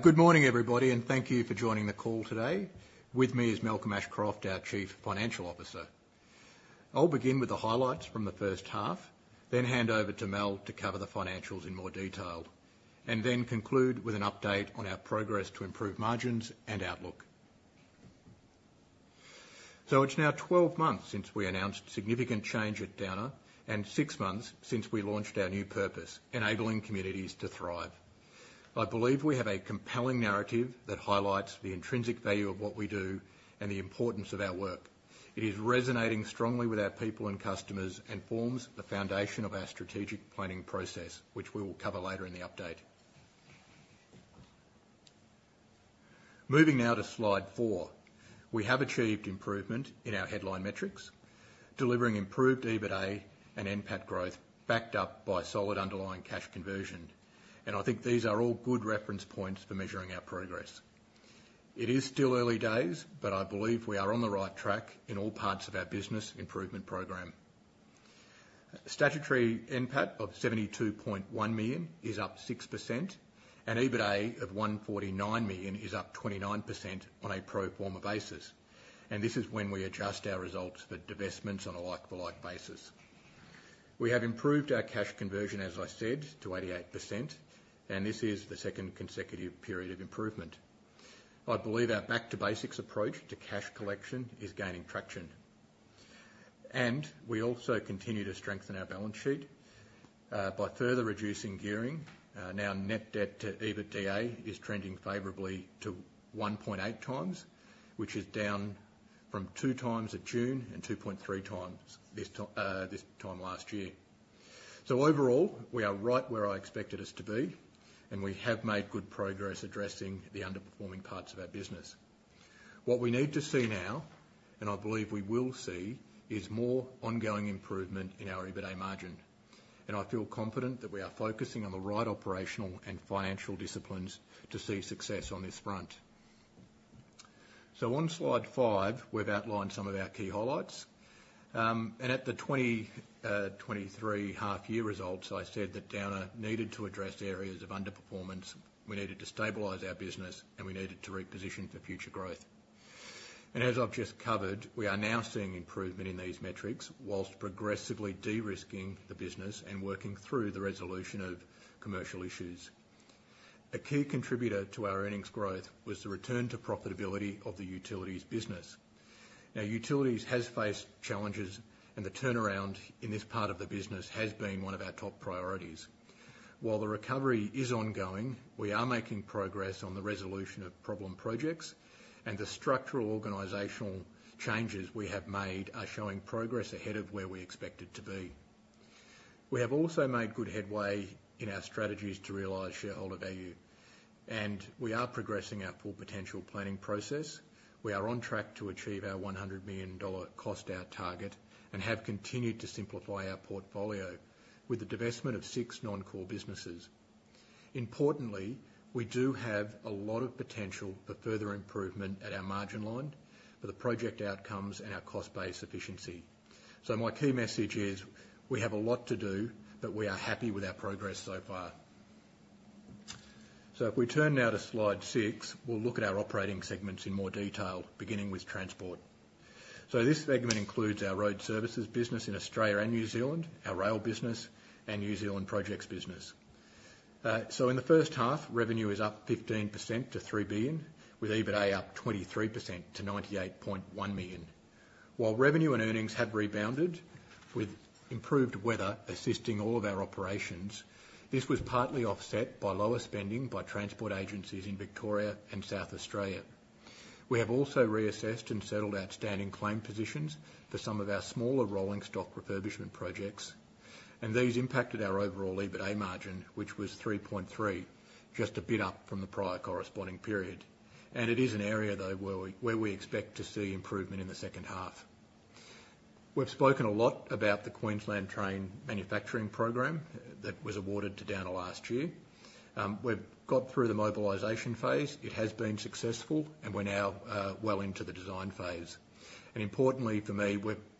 Good morning, everybody, and thank you for joining the call today. With me is Malcolm Ashcroft, our Chief Financial Officer. I'll begin with the highlights from the first half, then hand over to Mal to cover the financials in more detail, and then conclude with an update on our progress to improve margins and outlook. So it's now 12 months since we announced significant change at Downer and six months since we launched our new purpose, enabling communities to thrive. I believe we have a compelling narrative that highlights the intrinsic value of what we do and the importance of our work. It is resonating strongly with our people and customers and forms the foundation of our strategic planning process, which we will cover later in the update. Moving now to slide four, we have achieved improvement in our headline metrics, delivering improved EBITDA and NPAT growth backed up by solid underlying cash conversion, and I think these are all good reference points for measuring our progress. It is still early days, but I believe we are on the right track in all parts of our business improvement program. Statutory NPAT of 72.1 million is up 6%, and EBITDA of 149 million is up 29% on a pro forma basis, and this is when we adjust our results for divestments on a like-for-like basis. We have improved our cash conversion, as I said, to 88%, and this is the second consecutive period of improvement. I believe our back-to-basics approach to cash collection is gaining traction, and we also continue to strengthen our balance sheet, by further reducing gearing. Now net debt to EBITDA is trending favorably to 1.8x, which is down from 2x at June and 2.3x this time last year. So overall, we are right where I expected us to be, and we have made good progress addressing the underperforming parts of our business. What we need to see now, and I believe we will see, is more ongoing improvement in our EBITDA margin, and I feel confident that we are focusing on the right operational and financial disciplines to see success on this front. So on slide five, we've outlined some of our key highlights. At the 2023 half-year results, I said that Downer needed to address areas of underperformance, we needed to stabilize our business, and we needed to reposition for future growth. As I've just covered, we are now seeing improvement in these metrics while progressively de-risking the business and working through the resolution of commercial issues. A key contributor to our earnings growth was the return to profitability of the Utilities business. Now, Utilities has faced challenges, and the turnaround in this part of the business has been one of our top priorities. While the recovery is ongoing, we are making progress on the resolution of problem projects, and the structural organizational changes we have made are showing progress ahead of where we expected to be. We have also made good headway in our strategies to realize shareholder value, and we are progressing our Full Potential planning process. We are on track to achieve our 100 million dollar cost-out target and have continued to simplify our portfolio with the divestment of six non-core businesses. Importantly, we do have a lot of potential for further improvement at our margin line, for the project outcomes, and our cost-based efficiency. My key message is we have a lot to do, but we are happy with our progress so far. If we turn now to slide six, we'll look at our operating segments in more detail, beginning with Transport. This segment includes our road services business in Australia and New Zealand, our rail business, and New Zealand projects business. In the first half, revenue is up 15% to 3 billion, with EBITDA up 23% to 98.1 million. While revenue and earnings have rebounded with improved weather assisting all of our operations, this was partly offset by lower spending by transport agencies in Victoria and South Australia. We have also reassessed and settled outstanding claim positions for some of our smaller rolling stock refurbishment projects, and these impacted our overall EBITDA margin, which was 3.3%, just a bit up from the prior corresponding period. It is an area, though, where we expect to see improvement in the second half. We've spoken a lot about the Queensland Train Manufacturing Program that was awarded to Downer last year. We've got through the mobilization phase. It has been successful, and we're now well into the design phase. Importantly for me,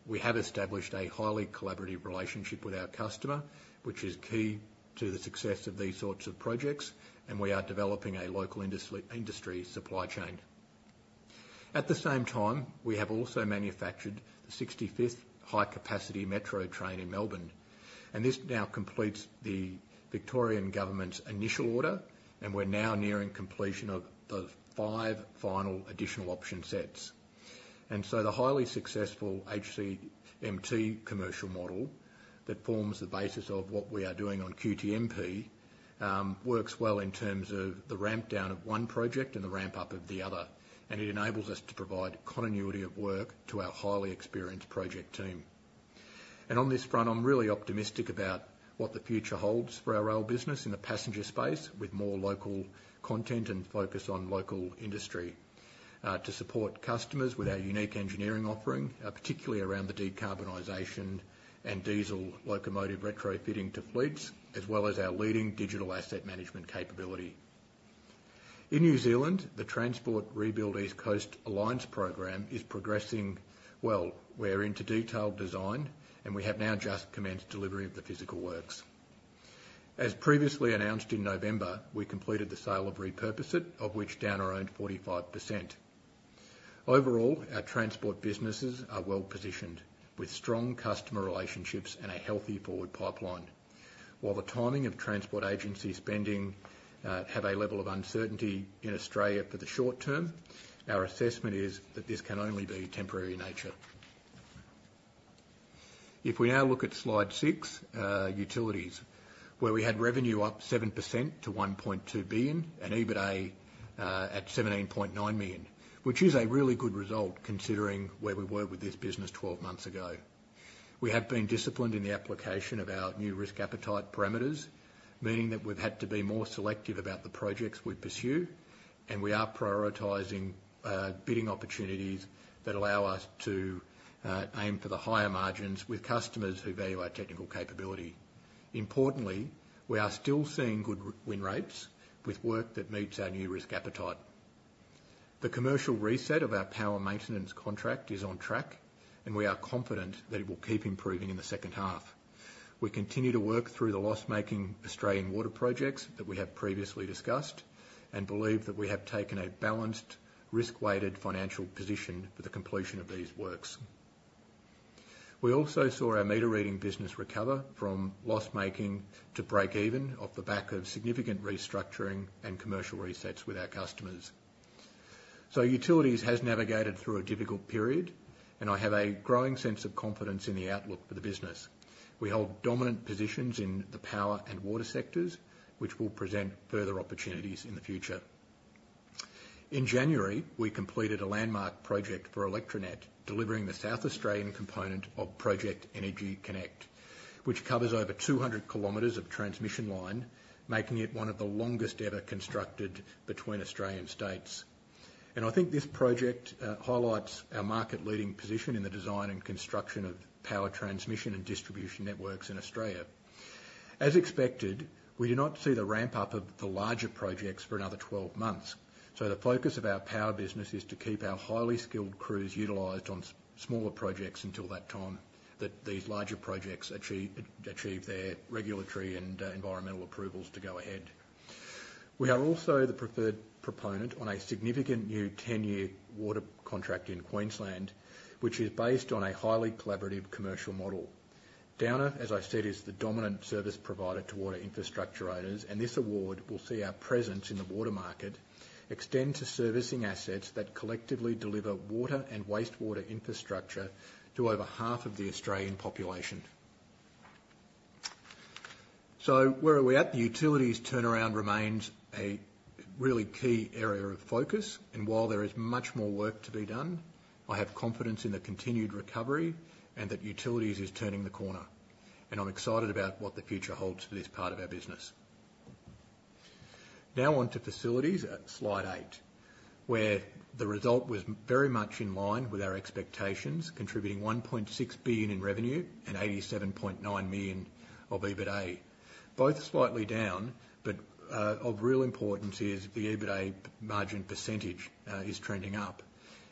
we have established a highly collaborative relationship with our customer, which is key to the success of these sorts of projects, and we are developing a local industry supply chain. At the same time, we have also manufactured the 65th High Capacity Metro Train in Melbourne, and this now completes the Victorian government's initial order, and we're now nearing completion of the 5 final additional option sets. And so the highly successful HCMT commercial model that forms the basis of what we are doing on QTMP, works well in terms of the ramp-down of one project and the ramp-up of the other, and it enables us to provide continuity of work to our highly experienced project team. And on this front, I'm really optimistic about what the future holds for our rail business in the passenger space, with more local content and focus on local industry, to support customers with our unique engineering offering, particularly around the decarbonization and diesel locomotive retrofitting to fleets, as well as our leading digital asset management capability. In New Zealand, the Transport Rebuild East Coast Alliance is progressing well, we're into detailed design, and we have now just commenced delivery of the physical works. As previously announced in November, we completed the sale of Repurpose It, of which Downer owned 45%. Overall, our transport businesses are well positioned, with strong customer relationships and a healthy forward pipeline. While the timing of transport agency spending, have a level of uncertainty in Australia for the short term, our assessment is that this can only be temporary in nature. If we now look at slide six, Utilities, where we had revenue up 7% to 1.2 billion and EBITDA at 17.9 million, which is a really good result considering where we were with this business 12 months ago. We have been disciplined in the application of our new risk appetite parameters, meaning that we've had to be more selective about the projects we pursue, and we are prioritizing bidding opportunities that allow us to aim for the higher margins with customers who value our technical capability. Importantly, we are still seeing good win rates with work that meets our new risk appetite. The commercial reset of our power maintenance contract is on track, and we are confident that it will keep improving in the second half. We continue to work through the loss-making Australian water projects that we have previously discussed and believe that we have taken a balanced, risk-weighted financial position for the completion of these works. We also saw our meter reading business recover from loss-making to break even off the back of significant restructuring and commercial resets with our customers. So Utilities has navigated through a difficult period, and I have a growing sense of confidence in the outlook for the business. We hold dominant positions in the power and water sectors, which will present further opportunities in the future. In January, we completed a landmark project for ElectraNet, delivering the South Australian component of Project EnergyConnect, which covers over 200 km of transmission line, making it one of the longest ever constructed between Australian states. And I think this project highlights our market-leading position in the design and construction of power transmission and distribution networks in Australia. As expected, we do not see the ramp-up of the larger projects for another 12 months, so the focus of our power business is to keep our highly skilled crews utilized on smaller projects until that time that these larger projects achieve their regulatory and environmental approvals to go ahead. We are also the preferred proponent on a significant new 10-year water contract in Queensland, which is based on a highly collaborative commercial model. Downer, as I said, is the dominant service provider to water infrastructure owners, and this award will see our presence in the water market extend to servicing assets that collectively deliver water and wastewater infrastructure to over half of the Australian population. So where are we at? The Utilities turnaround remains a really key area of focus, and while there is much more work to be done, I have confidence in the continued recovery and that Utilities is turning the corner, and I'm excited about what the future holds for this part of our business. Now onto Facilities at slide eight, where the result was very much in line with our expectations, contributing 1.6 billion in revenue and 87.9 million of EBITDA, both slightly down, but of real importance is the EBITDA margin percentage is trending up.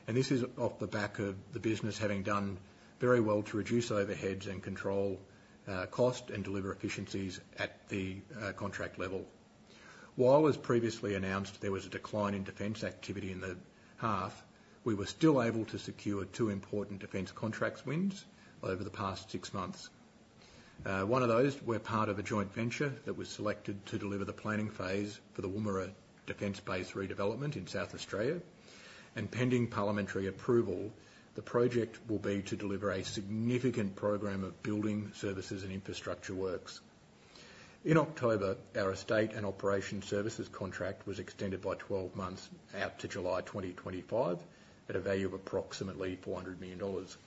And this is off the back of the business having done very well to reduce overheads and control cost and deliver efficiencies at the contract level. While, as previously announced, there was a decline in defence activity in the half, we were still able to secure two important defence contracts wins over the past six months. One of those were part of a joint venture that was selected to deliver the planning phase for the Woomera Defence Base Redevelopment in South Australia, and pending parliamentary approval, the project will be to deliver a significant program of building services and infrastructure works. In October, our Estate and Operations Services contract was extended by 12 months out to July 2025 at a value of approximately 400 million dollars.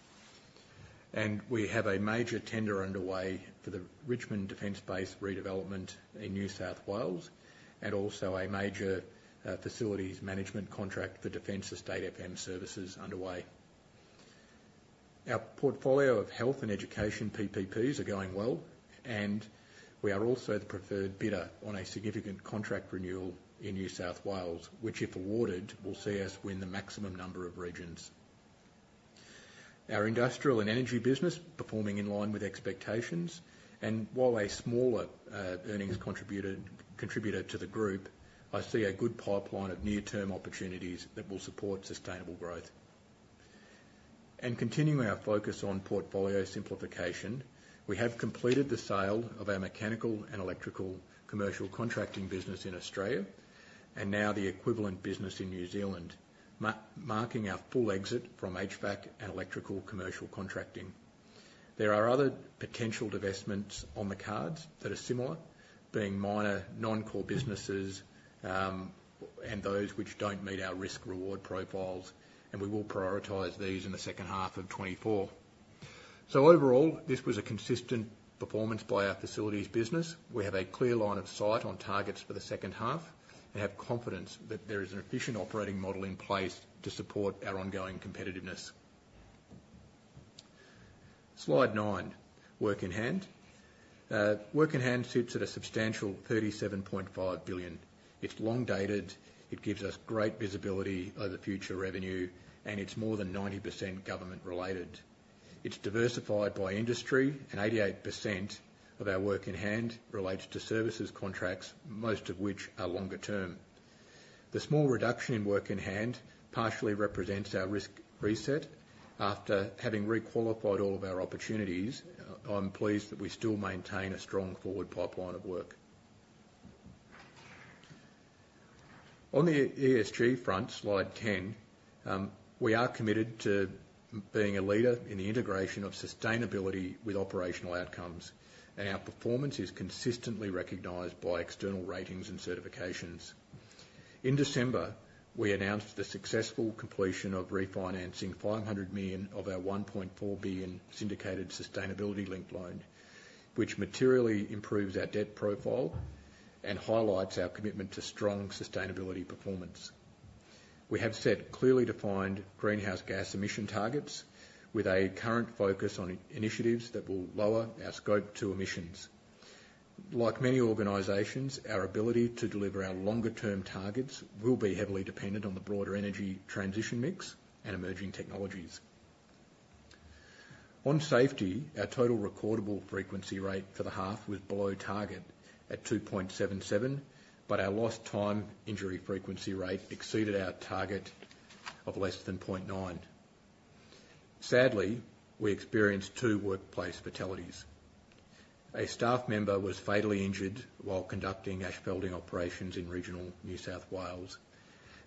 We have a major tender underway for the Richmond Defence Base redevelopment in New South Wales and also a major Facilities management contract for Defence Estate FM Services underway. Our portfolio of health and education PPPs are going well, and we are also the preferred bidder on a significant contract renewal in New South Wales, which, if awarded, will see us win the maximum number of regions. Our industrial and energy business performing in line with expectations, and while a smaller earnings contributor to the group, I see a good pipeline of near-term opportunities that will support sustainable growth. Continuing our focus on portfolio simplification, we have completed the sale of our mechanical and electrical commercial contracting business in Australia and now the equivalent business in New Zealand, marking our full exit from HVAC and electrical commercial contracting. There are other potential divestments on the cards that are similar, being minor non-core businesses, and those which don't meet our risk-reward profiles, and we will prioritize these in the second half of 2024. Overall, this was a consistent performance by our Facilities business. We have a clear line of sight on targets for the second half and have confidence that there is an efficient operating model in place to support our ongoing competitiveness. Slide nine, work in hand. Work in hand sits at a substantial 37.5 billion. It's long-dated. It gives us great visibility of the future revenue, and it's more than 90% government-related. It's diversified by industry, and 88% of our work in hand relates to services contracts, most of which are longer term. The small reduction in work in hand partially represents our risk reset. After having requalified all of our opportunities, I'm pleased that we still maintain a strong forward pipeline of work. On the ESG front, slide 10, we are committed to being a leader in the integration of sustainability with operational outcomes, and our performance is consistently recognized by external ratings and certifications. In December, we announced the successful completion of refinancing 500 million of our 1.4 billion syndicated sustainability-linked loan, which materially improves our debt profile and highlights our commitment to strong sustainability performance. We have set clearly defined greenhouse gas emission targets with a current focus on initiatives that will lower our Scope 2 emissions. Like many organizations, our ability to deliver our longer-term targets will be heavily dependent on the broader energy transition mix and emerging technologies. On safety, our total recordable injury frequency rate for the half was below target at 2.77, but our lost-time injury frequency rate exceeded our target of less than 0.9. Sadly, we experienced two workplace fatalities. A staff member was fatally injured while conducting ash handling operations in regional New South Wales,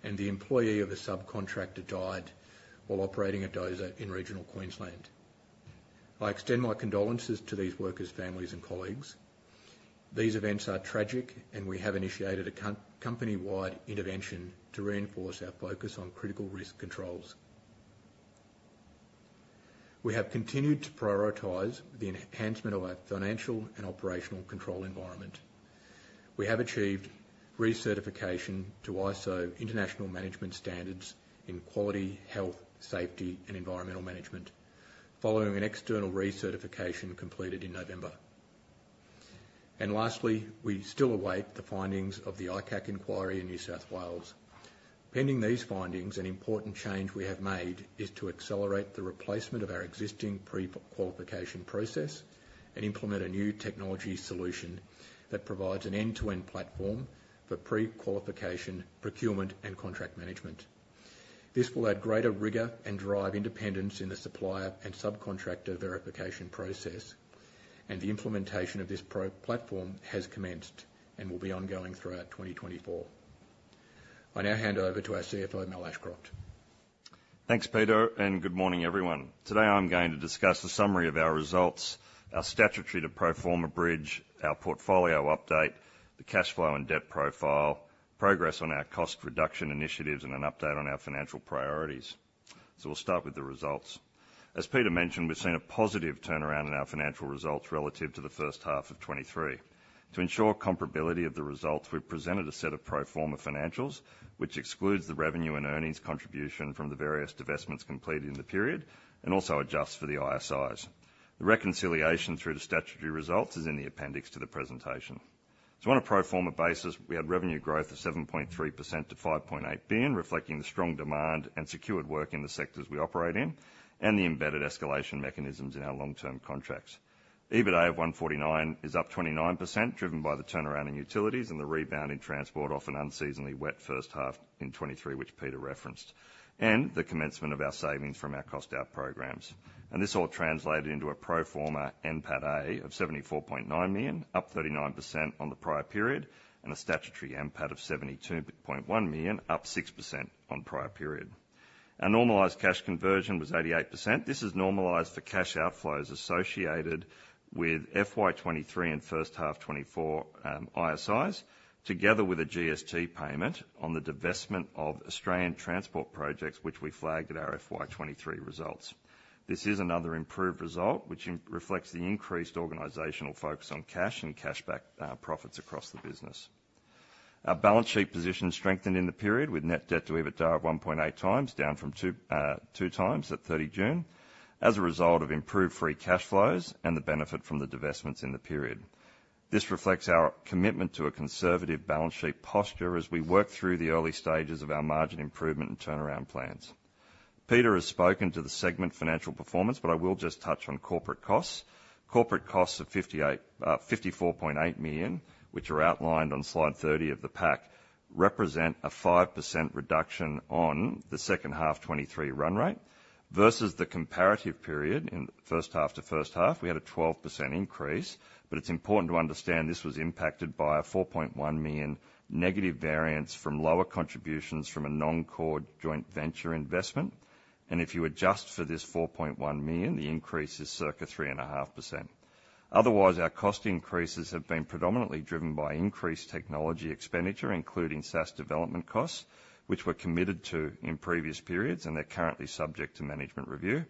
and the employee of a subcontractor died while operating a dozer in regional Queensland. I extend my condolences to these workers' families and colleagues. These events are tragic, and we have initiated a company-wide intervention to reinforce our focus on critical risk controls. We have continued to prioritize the enhancement of our financial and operational control environment. We have achieved recertification to ISO International Management Standards in quality, health, safety, and environmental management, following an external recertification completed in November. Lastly, we still await the findings of the ICAC inquiry in New South Wales. Pending these findings, an important change we have made is to accelerate the replacement of our existing pre-qualification process and implement a new technology solution that provides an end-to-end platform for pre-qualification procurement and contract management. This will add greater rigor and drive independence in the supplier and subcontractor verification process, and the implementation of this pro-platform has commenced and will be ongoing throughout 2024. I now hand over to our CFO, Malcolm Ashcroft. Thanks, Peter, and good morning, everyone. Today, I'm going to discuss a summary of our results, our statutory to pro forma bridge, our portfolio update, the cash flow and debt profile, progress on our cost reduction initiatives, and an update on our financial priorities. So we'll start with the results. As Peter mentioned, we've seen a positive turnaround in our financial results relative to the first half of 2023. To ensure comparability of the results, we've presented a set of pro forma financials, which excludes the revenue and earnings contribution from the various divestments completed in the period and also adjusts for the ISIs. The reconciliation through the statutory results is in the appendix to the presentation. On a pro forma basis, we had revenue growth of 7.3% to 5.8 billion, reflecting the strong demand and secured work in the sectors we operate in and the embedded escalation mechanisms in our long-term contracts. EBITDA of 149 million is up 29%, driven by the turnaround in Utilities and the rebound in transport off an unseasonably wet first half in 2023, which Peter referenced, and the commencement of our savings from our cost-out programs. This all translated into a pro forma NPATA of 74.9 million, up 39% on the prior period, and a Statutory NPAT of 72.1 million, up 6% on prior period. Our normalized cash conversion was 88%. This is normalized for cash outflows associated with FY 2023 and first half 2024, ISIs, together with a GST payment on the divestment of Australian Transport Projects, which we flagged at our FY 2023 results. This is another improved result, which reflects the increased organizational focus on cash and cashback, profits across the business. Our balance sheet position strengthened in the period with net debt to EBITDA of 1.8x, down from 2.2x at 30 June, as a result of improved free cash flows and the benefit from the divestments in the period. This reflects our commitment to a conservative balance sheet posture as we work through the early stages of our margin improvement and turnaround plans. Peter has spoken to the segment financial performance, but I will just touch on corporate costs. Corporate costs of 54.8 million, which are outlined on slide 30 of the PAC, represent a 5% reduction on the second half 2023 run rate versus the comparative period in first half to first half. We had a 12% increase, but it's important to understand this was impacted by a 4.1 million negative variance from lower contributions from a non-core joint venture investment. If you adjust for this 4.1 million, the increase is circa 3.5%. Otherwise, our cost increases have been predominantly driven by increased technology expenditure, including SaaS development costs, which were committed to in previous periods, and they're currently subject to management review.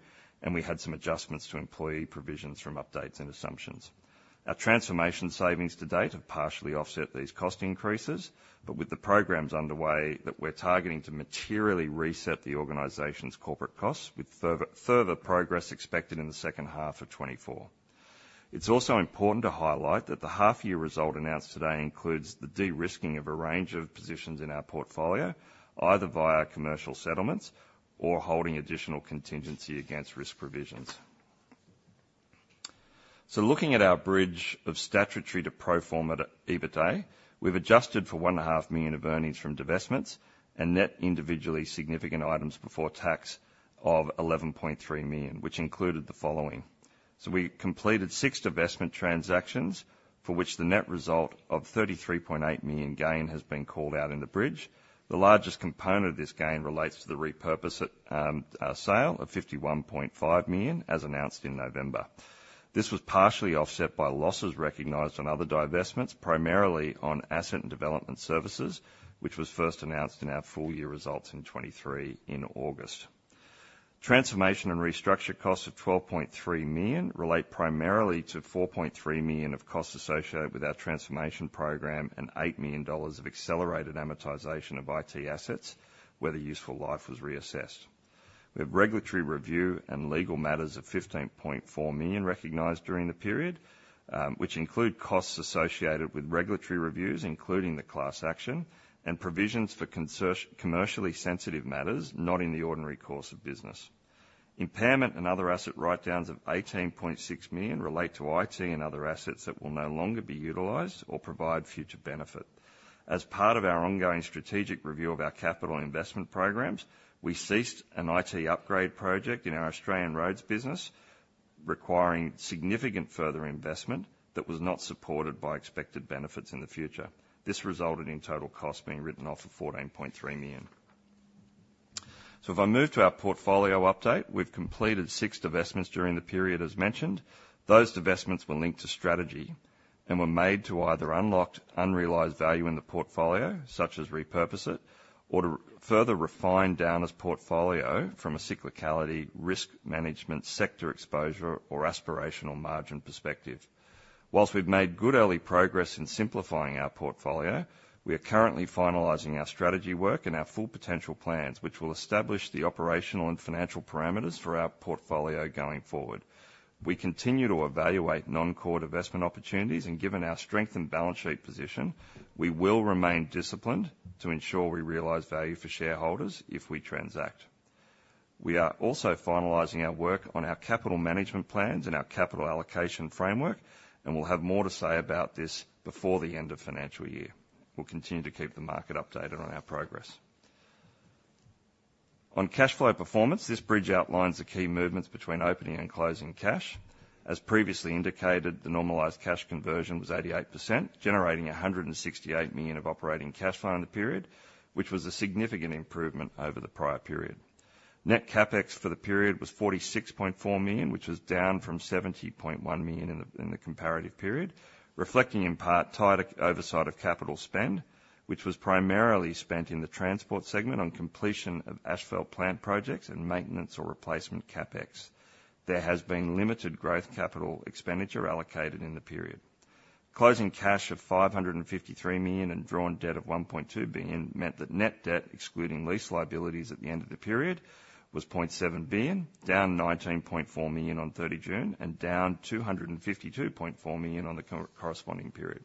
We had some adjustments to employee provisions from updates and assumptions. Our transformation savings to date have partially offset these cost increases, but with the programs underway that we're targeting to materially reset the organization's corporate costs, with further progress expected in the second half of 2024. It's also important to highlight that the half-year result announced today includes the de-risking of a range of positions in our portfolio, either via commercial settlements or holding additional contingency against risk provisions. So looking at our bridge of statutory to pro forma EBITDA, we've adjusted for 1.5 million of earnings from divestments and net individually significant items before tax of 11.3 million, which included the following. So we completed six divestment transactions for which the net result of 33.8 million gain has been called out in the bridge. The largest component of this gain relates to the Repurpose It sale of 51.5 million as announced in November. This was partially offset by losses recognized on other divestments, primarily on Asset and Development Services, which was first announced in our full-year results in 2023 in August. Transformation and restructure costs of 12.3 million relate primarily to 4.3 million of costs associated with our transformation program and AUD 8 million of accelerated amortization of IT assets where the useful life was reassessed. We have regulatory review and legal matters of 15.4 million recognized during the period, which include costs associated with regulatory reviews, including the class action, and provisions for certain commercially sensitive matters not in the ordinary course of business. Impairment and other asset write-downs of 18.6 million relate to IT and other assets that will no longer be utilized or provide future benefit. As part of our ongoing strategic review of our capital investment programs, we ceased an IT upgrade project in our Australian roads business requiring significant further investment that was not supported by expected benefits in the future. This resulted in total costs being written off of 14.3 million. So if I move to our portfolio update, we've completed six divestments during the period, as mentioned. Those divestments were linked to strategy and were made to either unlock unrealized value in the portfolio, such as Repurpose It, or to further refine our portfolio from a cyclicality, risk management, sector exposure, or aspirational margin perspective. While we've made good early progress in simplifying our portfolio, we are currently finalizing our strategy work and our Full Potential plans, which will establish the operational and financial parameters for our portfolio going forward. We continue to evaluate non-core divestment opportunities, and given our strengthened balance sheet position, we will remain disciplined to ensure we realize value for shareholders if we transact. We are also finalizing our work on our capital management plans and our capital allocation framework, and we'll have more to say about this before the end of fiscal year. We'll continue to keep the market updated on our progress. On cash flow performance, this bridge outlines the key movements between opening and closing cash. As previously indicated, the normalized cash conversion was 88%, generating AUD 168 million of operating cash flow in the period, which was a significant improvement over the prior period. Net CapEx for the period was 46.4 million, which was down from 70.1 million in the comparative period, reflecting in part tight oversight of capital spend, which was primarily spent in the transport segment on completion of asphalt plant projects and maintenance or replacement CapEx. There has been limited growth capital expenditure allocated in the period. Closing cash of 553 million and drawn debt of 1.2 billion meant that net debt, excluding lease liabilities at the end of the period, was 0.7 billion, down 19.4 million on 30 June, and down 252.4 million on the corresponding period.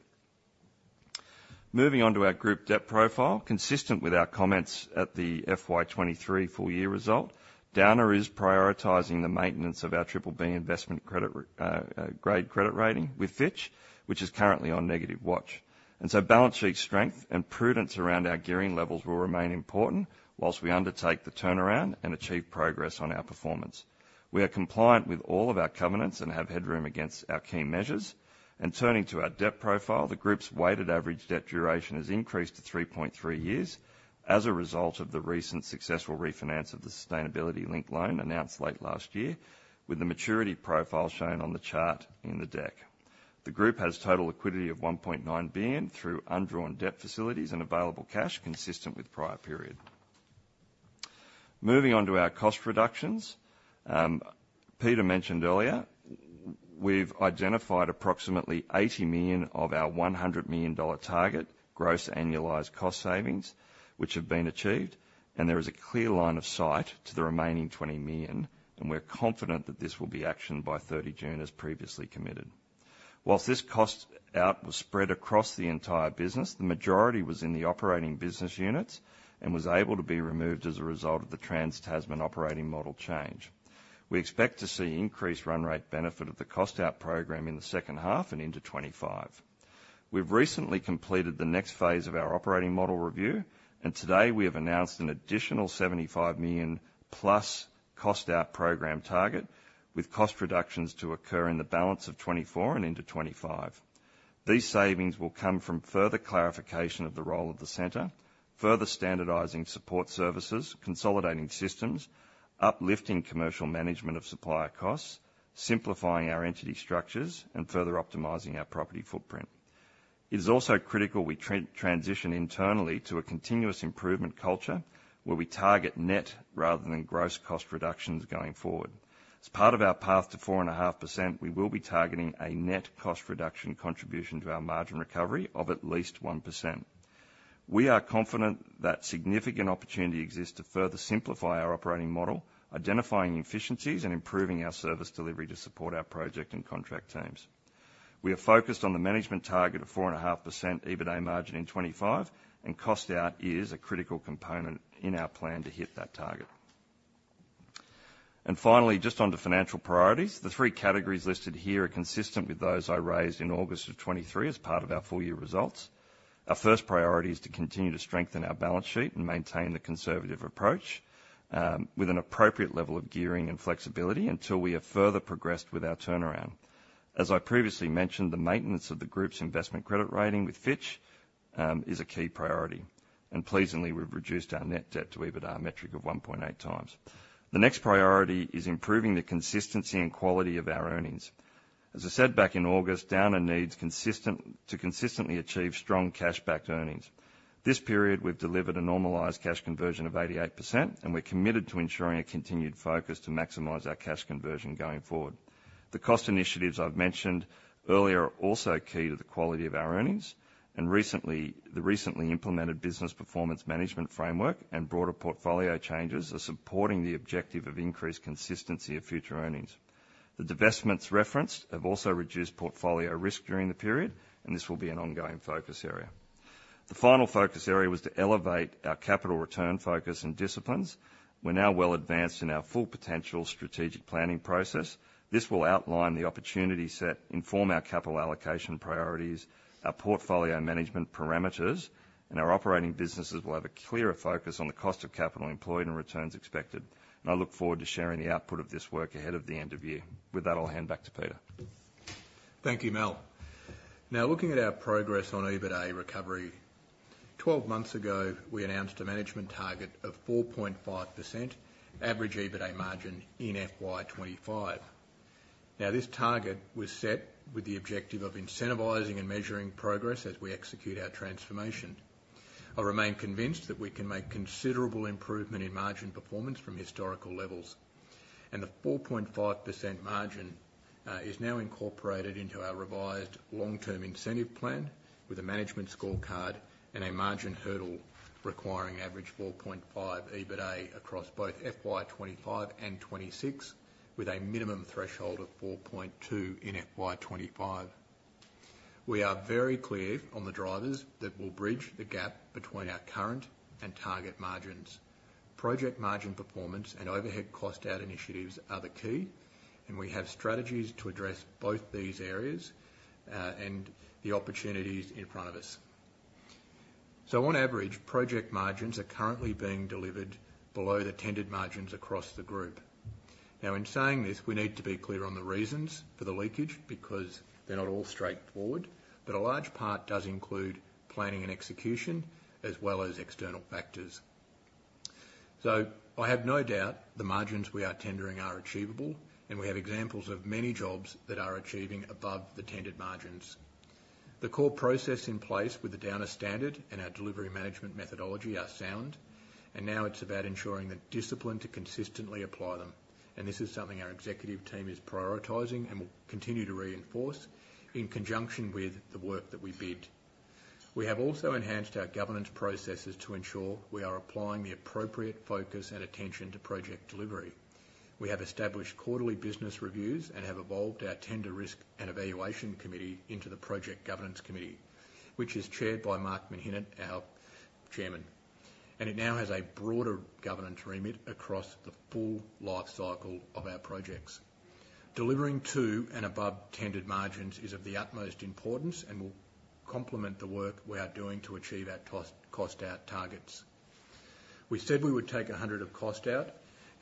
Moving on to our group debt profile, consistent with our comments at the FY 2023 full-year result, Downer is prioritizing the maintenance of our BBB investment grade credit rating with Fitch, which is currently on negative watch. So balance sheet strength and prudence around our gearing levels will remain important while we undertake the turnaround and achieve progress on our performance. We are compliant with all of our covenants and have headroom against our key measures. And turning to our debt profile, the group's weighted average debt duration has increased to 3.3 years as a result of the recent successful refinance of the sustainability-linked loan announced late last year, with the maturity profile shown on the chart in the deck. The group has total liquidity of AUD 1.9 billion through undrawn debt Facilities and available cash consistent with prior period. Moving on to our cost reductions, Peter mentioned earlier, we've identified approximately 80 million of our 100 million dollar target gross annualized cost savings, which have been achieved. And there is a clear line of sight to the remaining 20 million, and we're confident that this will be actioned by 30 June, as previously committed. While this cost out was spread across the entire business, the majority was in the operating business units and was able to be removed as a result of the Trans-Tasman operating model change. We expect to see increased run rate benefit of the cost out program in the second half and into 2025. We've recently completed the next phase of our operating model review, and today, we have announced an additional AUD 75 million-plus cost out program target, with cost reductions to occur in the balance of 2024 and into 2025. These savings will come from further clarification of the role of the center, further standardizing support services, consolidating systems, uplifting commercial management of supplier costs, simplifying our entity structures, and further optimizing our property footprint. It is also critical we transition internally to a continuous improvement culture where we target net rather than gross cost reductions going forward. As part of our path to 4.5%, we will be targeting a net cost reduction contribution to our margin recovery of at least 1%. We are confident that significant opportunity exists to further simplify our operating model, identifying efficiencies, and improving our service delivery to support our project and contract teams. We are focused on the management target of 4.5% EBITDA margin in 2025, and cost out is a critical component in our plan to hit that target. Finally, just onto financial priorities. The three categories listed here are consistent with those I raised in August of 2023 as part of our full-year results. Our first priority is to continue to strengthen our balance sheet and maintain the conservative approach, with an appropriate level of gearing and flexibility until we have further progressed with our turnaround. As I previously mentioned, the maintenance of the group's investment credit rating with Fitch is a key priority. Pleasantly, we've reduced our net debt to EBITDA metric of 1.8x. The next priority is improving the consistency and quality of our earnings. As I said back in August, Downer needs consistent to consistently achieve strong cash-backed earnings. This period, we've delivered a normalized cash conversion of 88%, and we're committed to ensuring a continued focus to maximize our cash conversion going forward. The cost initiatives I've mentioned earlier are also key to the quality of our earnings. Recently, the recently implemented business performance management framework and broader portfolio changes are supporting the objective of increased consistency of future earnings. The divestments referenced have also reduced portfolio risk during the period, and this will be an ongoing focus area. The final focus area was to elevate our capital return focus and disciplines. We're now well advanced in our Full Potential strategic planning process. This will outline the opportunity set, inform our capital allocation priorities, our portfolio management parameters, and our operating businesses will have a clearer focus on the cost of capital employed and returns expected. I look forward to sharing the output of this work ahead of the end of year. With that, I'll hand back to Peter. Thank you, Mal. Now, looking at our progress on EBITDA recovery, 12 months ago, we announced a management target of 4.5% average EBITDA margin in FY 2025. Now, this target was set with the objective of incentivizing and measuring progress as we execute our transformation. I remain convinced that we can make considerable improvement in margin performance from historical levels. The 4.5% margin is now incorporated into our revised long-term incentive plan with a management scorecard and a margin hurdle requiring average 4.5% EBITDA across both FY 2025 and 2026, with a minimum threshold of 4.2% in FY 2025. We are very clear on the drivers that will bridge the gap between our current and target margins. Project margin performance and overhead cost out initiatives are the key, and we have strategies to address both these areas, and the opportunities in front of us. So on average, project margins are currently being delivered below the tendered margins across the group. Now, in saying this, we need to be clear on the reasons for the leakage because they're not all straightforward, but a large part does include planning and execution as well as external factors. So I have no doubt the margins we are tendering are achievable, and we have examples of many jobs that are achieving above the tendered margins. The core process in place with the Downer Standard and our delivery management methodology are sound. Now, it's about ensuring the discipline to consistently apply them. This is something our executive team is prioritizing and will continue to reinforce in conjunction with the work that we bid. We have also enhanced our governance processes to ensure we are applying the appropriate focus and attention to project delivery. We have established quarterly business reviews and have evolved our Tender Risk and Evaluation Committee into the Project Governance Committee, which is chaired by Mark Menhinnitt, our Chairman. It now has a broader governance remit across the full life cycle of our projects. Delivering to and above targeted margins is of the utmost importance and will complement the work we are doing to achieve our cost out targets. We said we would take 100 million of cost out,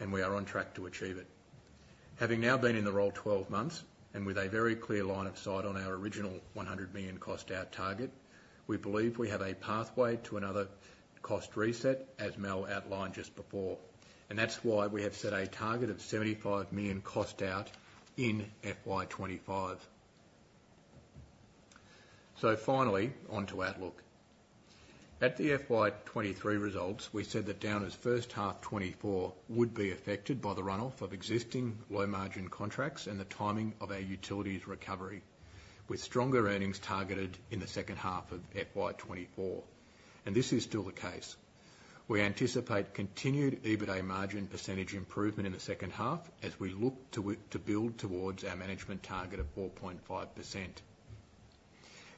and we are on track to achieve it. Having now been in the role 12 months and with a very clear line of sight on our original 100 million cost out target, we believe we have a pathway to another cost reset, as Mal outlined just before. That's why we have set a target of 75 million cost out in FY 2025. Finally, onto outlook. At the FY 2023 results, we said that Downer's first half 2024 would be affected by the runoff of existing low-margin contracts and the timing of our Utilities recovery, with stronger earnings targeted in the second half of FY 2024. This is still the case. We anticipate continued EBITDA margin percentage improvement in the second half as we look to build towards our management target of 4.5%. FY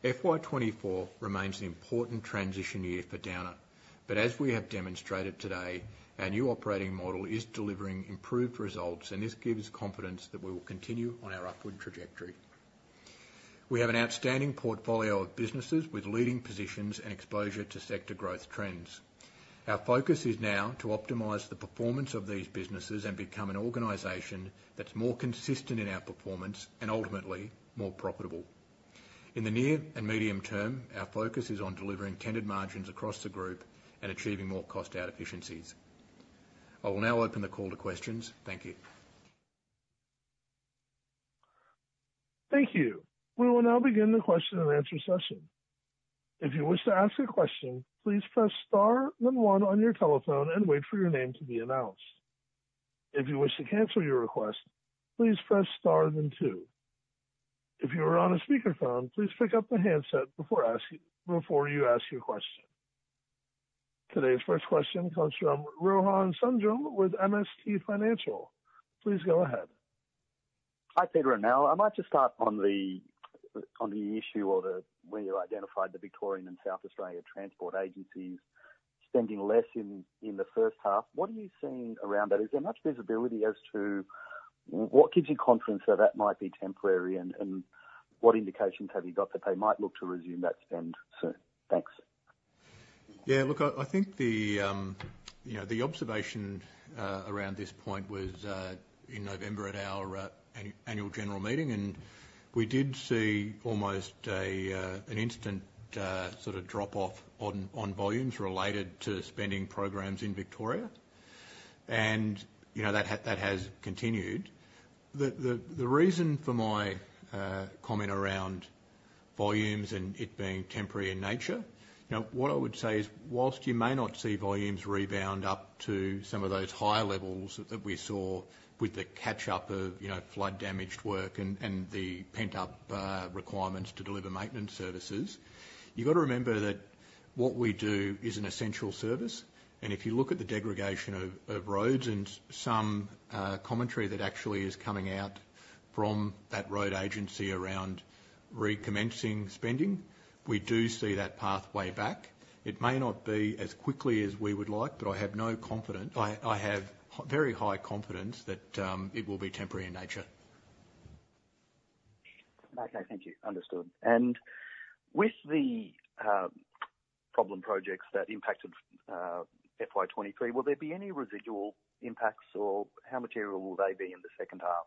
2024 remains an important transition year for Downer, but as we have demonstrated today, our new operating model is delivering improved results, and this gives confidence that we will continue on our upward trajectory. We have an outstanding portfolio of businesses with leading positions and exposure to sector growth trends. Our focus is now to optimize the performance of these businesses and become an organization that's more consistent in our performance and, ultimately, more profitable. In the near and medium term, our focus is on delivering targeted margins across the group and achieving more cost out efficiencies. I will now open the call to questions. Thank you. Thank you. We will now begin the question and answer session. If you wish to ask a question, please press star then one on your telephone and wait for your name to be announced. If you wish to cancel your request, please press star then two. If you are on a speakerphone, please pick up the handset before you ask your question. Today's first question comes from Rohan Sundram with MST Financial. Please go ahead. Hi, Peter. And Mal, I might just start on the issue or the where you identified the Victorian and South Australia transport agencies spending less in the first half. What are you seeing around that? Is there much visibility as to what gives you confidence that that might be temporary, and what indications have you got that they might look to resume that spend soon? Thanks. Yeah. Look, I think the, you know, the observation around this point was in November at our annual general meeting. And we did see almost an instant sort of drop-off on volumes related to spending programs in Victoria. And, you know, that has continued. The reason for my comment around volumes and it being temporary in nature, you know, what I would say is whilst you may not see volumes rebound up to some of those higher levels that we saw with the catch-up of, you know, flood-damaged work and the pent-up requirements to deliver maintenance services, you've got to remember that what we do is an essential service. And if you look at the degradation of roads and some commentary that actually is coming out from that road agency around recommencing spending, we do see that pathway back. It may not be as quickly as we would like, but I have no confidence. I have very high confidence that it will be temporary in nature. Okay. Thank you. Understood. And with the problem projects that impacted FY 2023, will there be any residual impacts, or how material will they be in the second half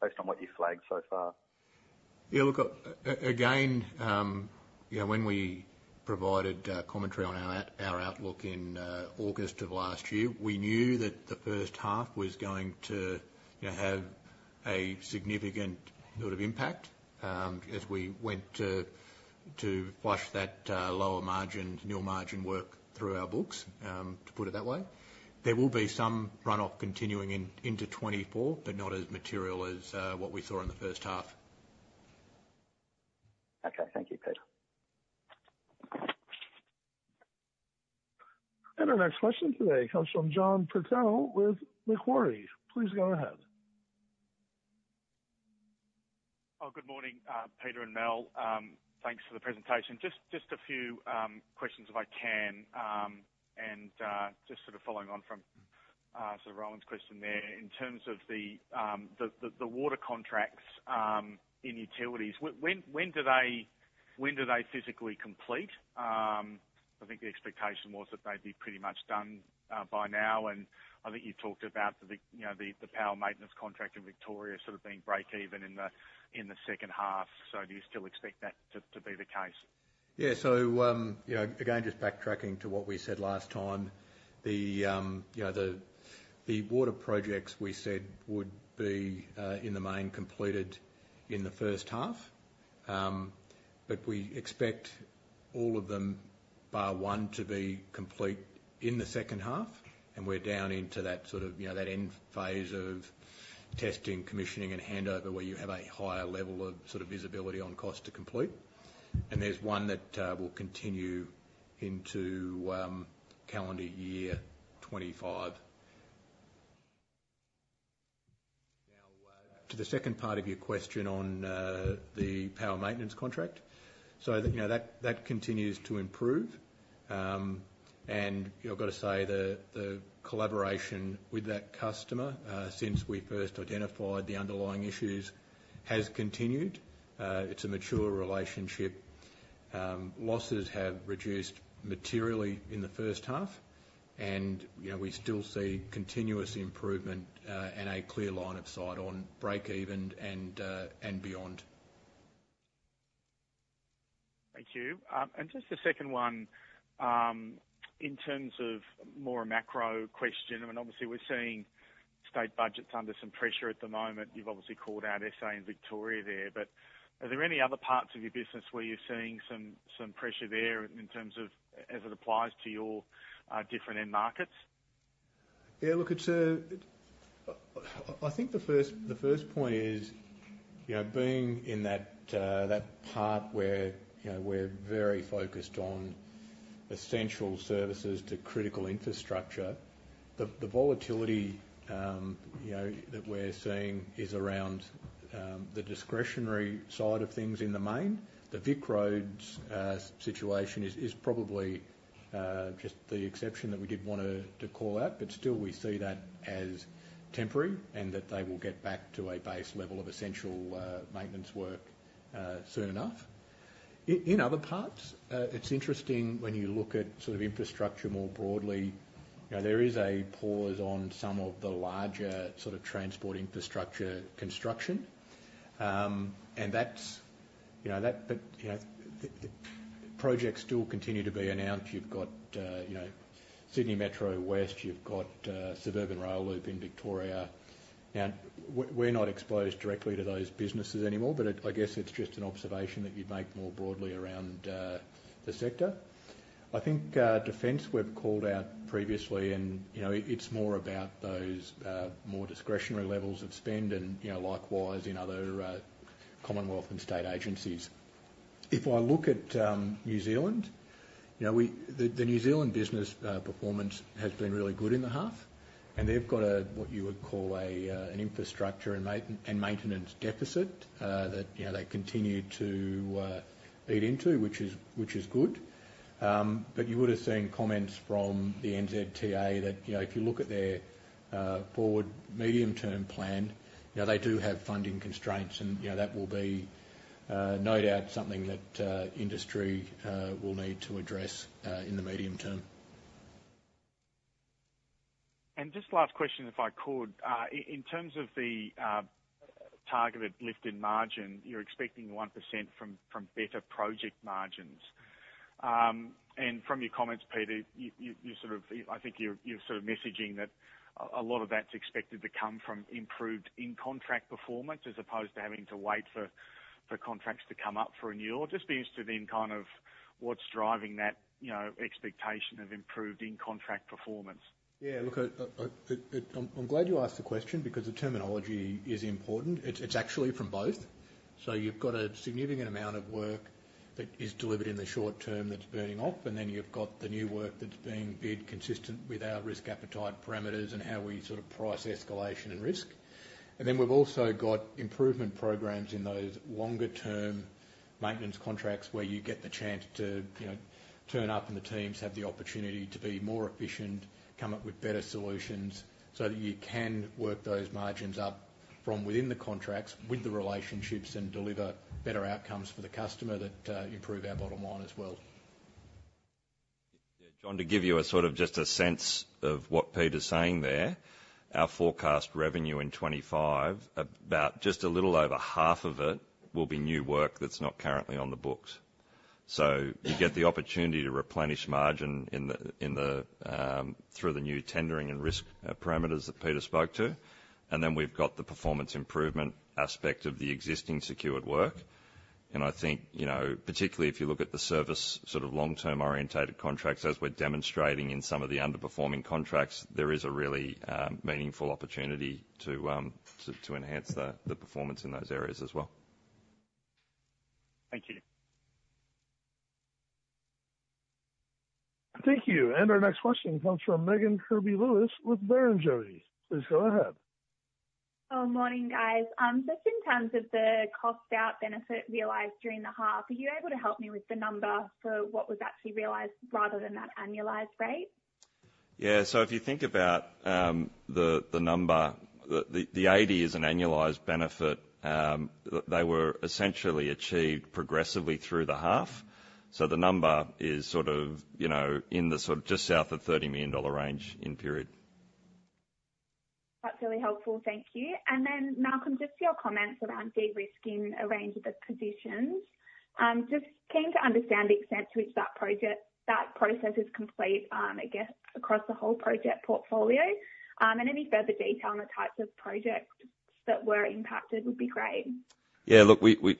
based on what you've flagged so far? Yeah. Look, again, you know, when we provided commentary on our outlook in August of last year, we knew that the first half was going to, you know, have a significant sort of impact, as we went to flush that lower margin, nil margin work through our books, to put it that way. There will be some runoff continuing into 2024, but not as material as what we saw in the first half. Okay. Thank you, Peter. Our next question today comes from John Purtell with Macquarie. Please go ahead. Oh, good morning, Peter and Mal. Thanks for the presentation. Just a few questions if I can, and just sort of following on from sort of Rohan's question there. In terms of the water contracts in Utilities, when do they physically complete? I think the expectation was that they'd be pretty much done by now. And I think you talked about the Vic, you know, the power maintenance contract in Victoria sort of being break-even in the second half. So do you still expect that to be the case? Yeah. So, you know, again, just backtracking to what we said last time, you know, the water projects we said would be, in the main completed in the first half. But we expect all of them, bar one, to be complete in the second half. And we're down into that sort of, you know, that end phase of testing, commissioning, and handover where you have a higher level of sort of visibility on cost to complete. And there's one that will continue into calendar year 2025. Now, to the second part of your question on the power maintenance contract, so that you know, that continues to improve. And you've got to say the collaboration with that customer, since we first identified the underlying issues, has continued. It's a mature relationship. Losses have reduced materially in the first half. You know, we still see continuous improvement and a clear line of sight on break-even and beyond. Thank you. And just the second one, in terms of more a macro question. I mean, obviously, we're seeing state budgets under some pressure at the moment. You've obviously called out SA and Victoria there. But are there any other parts of your business where you're seeing some pressure there in terms of as it applies to your different end markets? Yeah. Look, it's, I think the first point is, you know, being in that part where, you know, we're very focused on essential services to critical infrastructure, the volatility, you know, that we're seeing is around the discretionary side of things in the main. The VicRoads situation is probably just the exception that we did want to call out. But still, we see that as temporary and that they will get back to a base level of essential maintenance work, soon enough. In other parts, it's interesting when you look at sort of infrastructure more broadly. You know, there is a pause on some of the larger sort of transport infrastructure construction, and that's, you know, but, you know, the projects still continue to be announced. You've got, you know, Sydney Metro West. You've got Suburban Rail Loop in Victoria. Now, we're not exposed directly to those businesses anymore, but I guess it's just an observation that you'd make more broadly around the sector. I think defence we've called out previously. And, you know, it's more about those more discretionary levels of spend and, you know, likewise in other Commonwealth and state agencies. If I look at New Zealand, you know, we, the New Zealand business performance has been really good in the half. And they've got what you would call an infrastructure and maintenance deficit that, you know, they continue to eat into, which is good. But you would have seen comments from the NZTA that, you know, if you look at their forward medium-term plan, you know, they do have funding constraints. You know, that will be, no doubt, something that industry will need to address in the medium term. Just last question, if I could. In terms of the targeted lifted margin, you're expecting 1% from better project margins. From your comments, Peter, you sort of, I think you're sort of messaging that a lot of that's expected to come from improved in-contract performance as opposed to having to wait for contracts to come up for renewal. Just be interested in kind of what's driving that, you know, expectation of improved in-contract performance. Yeah. Look, I'm glad you asked the question because the terminology is important. It's actually from both. So you've got a significant amount of work that is delivered in the short term that's burning up. And then you've got the new work that's being bid consistent with our risk appetite parameters and how we sort of price escalation and risk. And then we've also got improvement programs in those longer-term maintenance contracts where you get the chance to, you know, turn up and the teams have the opportunity to be more efficient, come up with better solutions so that you can work those margins up from within the contracts with the relationships and deliver better outcomes for the customer that improve our bottom line as well. Yeah. John, to give you a sort of just a sense of what Peter's saying there, our forecast revenue in 2025, about just a little over half of it will be new work that's not currently on the books. So you get the opportunity to replenish margin in the through the new tendering and risk parameters that Peter spoke to. And then we've got the performance improvement aspect of the existing secured work. And I think, you know, particularly if you look at the service sort of long-term orientated contracts, as we're demonstrating in some of the underperforming contracts, there is a really meaningful opportunity to enhance the performance in those areas as well. Thank you. Thank you. Our next question comes from Megan Kirby-Lewis with Barrenjoey. Please go ahead. Oh, morning, guys. Just in terms of the cost out benefit realized during the half, are you able to help me with the number for what was actually realized rather than that annualized rate? Yeah. So if you think about the number, the 80 is an annualized benefit. They were essentially achieved progressively through the half. So the number is sort of, you know, in the sort of just south of 30 million dollar range in period. That's really helpful. Thank you. And then, Malcolm, just your comments around de-risking a range of the positions. Just came to understand the extent to which that project that process is complete, again, across the whole project portfolio. And any further detail on the types of projects that were impacted would be great. Yeah. Look, we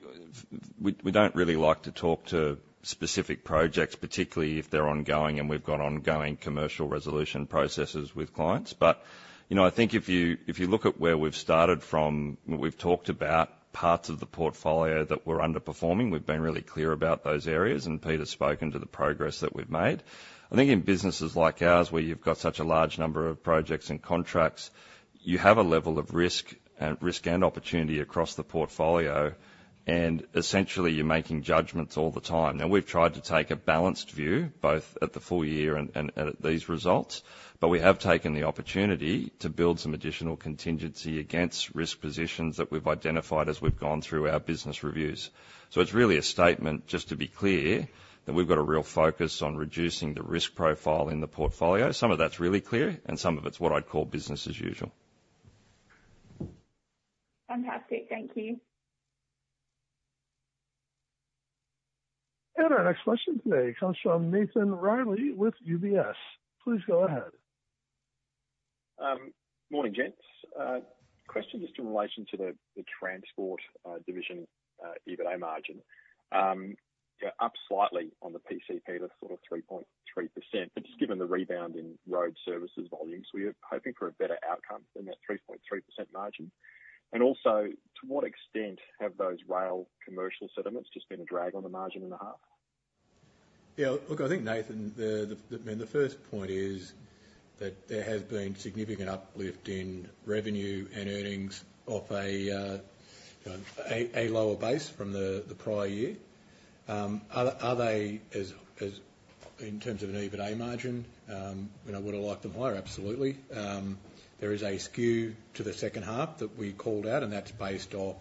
don't really like to talk to specific projects, particularly if they're ongoing and we've got ongoing commercial resolution processes with clients. But, you know, I think if you look at where we've started from, what we've talked about, parts of the portfolio that were underperforming, we've been really clear about those areas. And Peter's spoken to the progress that we've made. I think in businesses like ours where you've got such a large number of projects and contracts, you have a level of risk and opportunity across the portfolio. And essentially, you're making judgments all the time. Now, we've tried to take a balanced view both at the full year and at these results. But we have taken the opportunity to build some additional contingency against risk positions that we've identified as we've gone through our business reviews. It's really a statement, just to be clear, that we've got a real focus on reducing the risk profile in the portfolio. Some of that's really clear. Some of it's what I'd call business as usual. Fantastic. Thank you. Our next question today comes from Nathan Riley with UBS. Please go ahead. Morning, gents. Question just in relation to the transport division EBITDA margin. You know, up slightly on the PCP to sort of 3.3%. But just given the rebound in road services volumes, we are hoping for a better outcome than that 3.3% margin. And also, to what extent have those rail commercial settlements just been a drag on the margin in the half? Yeah. Look, I think, Nathan, the, I mean, the first point is that there has been significant uplift in revenue and earnings off a, you know, a lower base from the prior year. Are they as, as in terms of an EBITDA margin, you know, would I like them higher? Absolutely. There is a skew to the second half that we called out. And that's based off,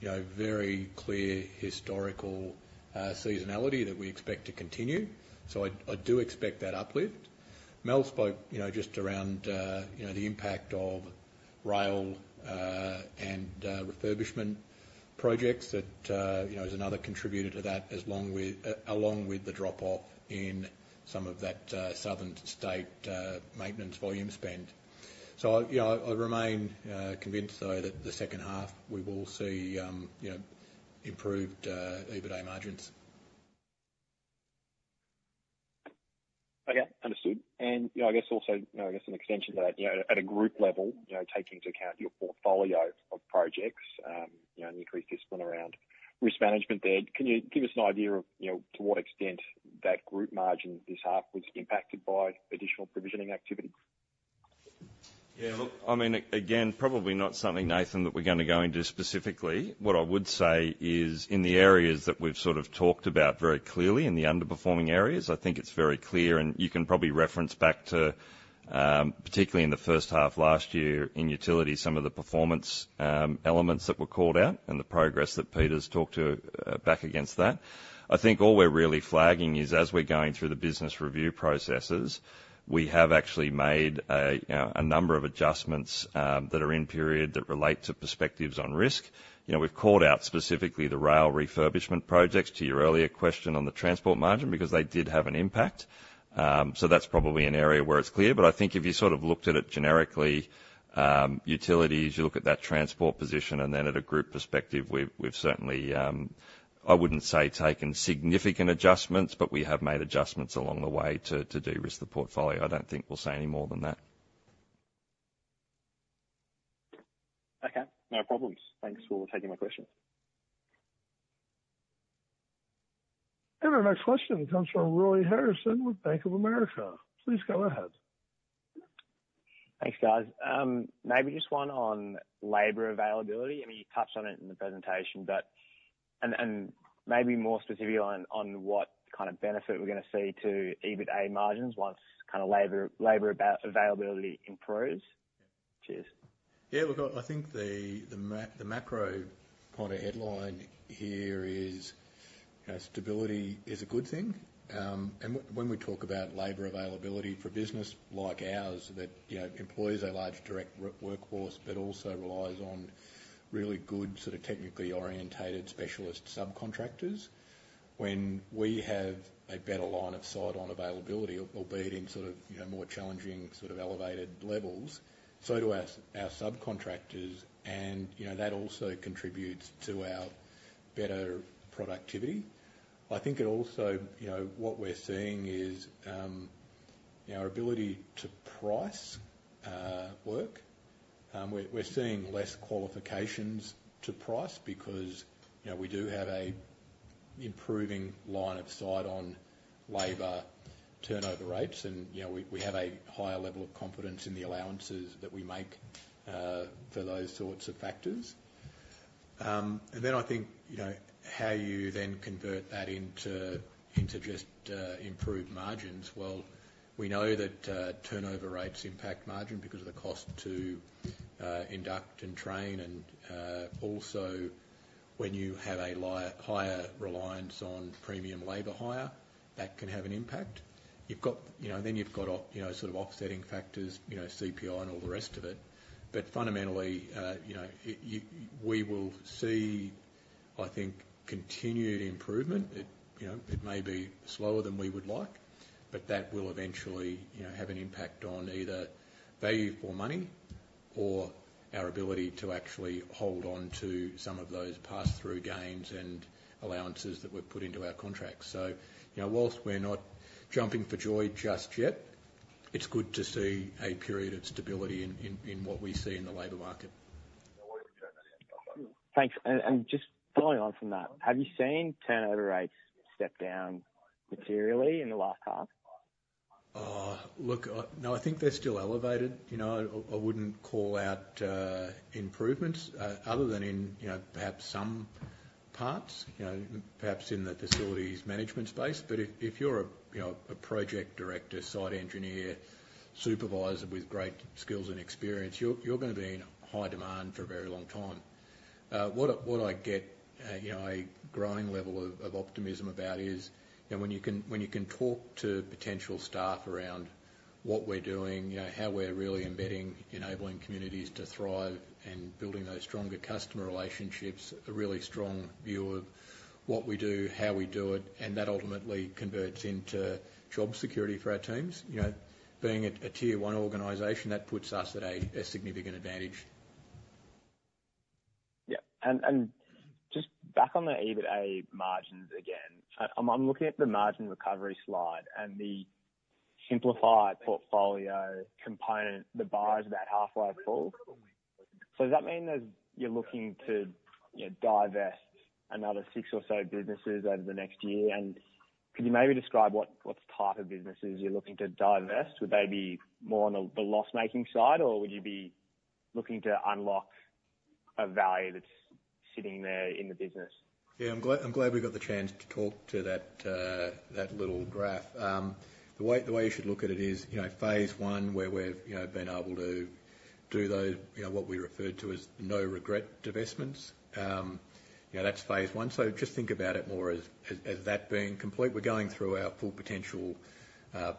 you know, very clear historical seasonality that we expect to continue. So I do expect that uplift. Mal spoke, you know, just around, you know, the impact of rail and refurbishment projects that, you know, is another contributor to that along with the drop-off in some of that southern state maintenance volume spend. So, you know, I remain convinced, though, that the second half, we will see, you know, improved EBITDA margins. Okay. Understood. And, you know, I guess also you know, I guess an extension to that, you know, at a group level, you know, taking into account your portfolio of projects, you know, an increased discipline around risk management there, can you give us an idea of, you know, to what extent that group margin this half was impacted by additional provisioning activity? Yeah. Look, I mean, again, probably not something, Nathan, that we're going to go into specifically. What I would say is in the areas that we've sort of talked about very clearly, in the underperforming areas, I think it's very clear. And you can probably reference back to, particularly in the first half last year in utility, some of the performance elements that were called out and the progress that Peter's talked to, back against that. I think all we're really flagging is as we're going through the business review processes, we have actually made a, you know, a number of adjustments that are in period that relate to perspectives on risk. You know, we've called out specifically the rail refurbishment projects, to your earlier question on the transport margin, because they did have an impact. So that's probably an area where it's clear. But I think if you sort of looked at it generically, Utilities, you look at that transport position, and then at a group perspective, we've, we've certainly, I wouldn't say taken significant adjustments, but we have made adjustments along the way to, to de-risk the portfolio. I don't think we'll say any more than that. Okay. No problems. Thanks for taking my questions. Our next question comes from Roy Harrison with Bank of America. Please go ahead. Thanks, guys. Maybe just one on labor availability. I mean, you touched on it in the presentation. But maybe more specifically on what kind of benefit we're going to see to EBITDA margins once kind of labor availability improves. Yeah. Cheers. Yeah. Look, I think the macro point of headline here is, you know, stability is a good thing. When we talk about labor availability for business like ours that, you know, employs a large direct workforce but also relies on really good sort of technically oriented specialist subcontractors, when we have a better line of sight on availability, albeit in sort of, you know, more challenging sort of elevated levels, so do our subcontractors. And, you know, that also contributes to our better productivity. I think it also, you know, what we're seeing is, you know, our ability to price work. We're seeing less qualifications to price because, you know, we do have an improving line of sight on labor turnover rates. You know, we have a higher level of confidence in the allowances that we make for those sorts of factors. And then I think, you know, how you then convert that into just improved margins. Well, we know that turnover rates impact margin because of the cost to induct and train. And also when you have a higher reliance on premium labor hire, that can have an impact. You've got, you know, then you've got, you know, sort of offsetting factors, you know, CPI and all the rest of it. But fundamentally, you know, it we will see, I think, continued improvement. It, you know, it may be slower than we would like. But that will eventually, you know, have an impact on either value for money or our ability to actually hold on to some of those pass-through gains and allowances that we've put into our contracts. So, you know, while we're not jumping for joy just yet, it's good to see a period of stability in what we see in the labor market. Thanks. And just following on from that, have you seen turnover rates step down materially in the last half? Look, I know, I think they're still elevated. You know, I wouldn't call out improvements, other than in, you know, perhaps some parts, you know, perhaps in the Facilities management space. But if you're a, you know, a project director, site engineer, supervisor with great skills and experience, you're going to be in high demand for a very long time. What I get, you know, a growing level of optimism about is, you know, when you can talk to potential staff around what we're doing, you know, how we're really embedding, enabling communities to thrive, and building those stronger customer relationships, a really strong view of what we do, how we do it. And that ultimately converts into job security for our teams. You know, being a tier-one organization, that puts us at a significant advantage. Yeah. And just back on the EBITDA margins again, I'm looking at the margin recovery slide. And the simplified portfolio component, the bars are about halfway full. So does that mean that you're looking to, you know, divest another six or so businesses over the next year? And could you maybe describe what type of businesses you're looking to divest? Would they be more on the loss-making side? Or would you be looking to unlock a value that's sitting there in the business? Yeah. I'm glad we got the chance to talk to that little graph. The way you should look at it is, you know, phase one where we've, you know, been able to do those, you know, what we referred to as no-regret divestments. You know, that's phase one. So just think about it more as that being complete. We're going through our Full Potential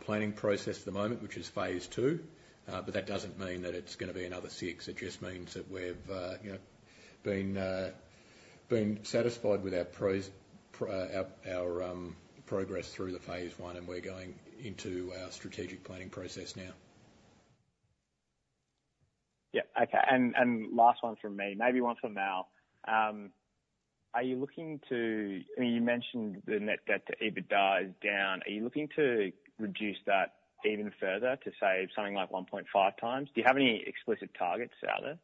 planning process at the moment, which is phase two. But that doesn't mean that it's going to be another six. It just means that we've, you know, been satisfied with our progress through the phase one. And we're going into our strategic planning process now. Yeah. Okay. And last one from me, maybe one from Mal. Are you looking to, I mean, you mentioned the net debt to EBITDA is down. Are you looking to reduce that even further to, say, something like 1.5 times? Do you have any explicit targets out there?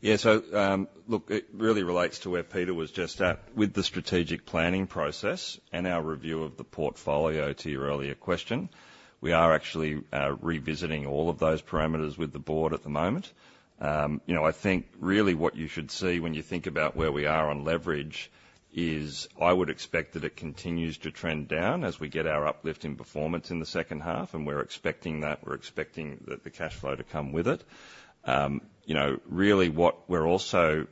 Yeah. So, look, it really relates to where Peter was just at with the strategic planning process and our review of the portfolio, to your earlier question. We are actually revisiting all of those parameters with the board at the moment. You know, I think really what you should see when you think about where we are on leverage is I would expect that it continues to trend down as we get our uplift in performance in the second half. And we're expecting that. We're expecting that the cash flow to come with it. You know, really, what we're also